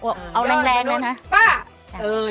ภูเขาภาษาไทยก่อนใช่ไหม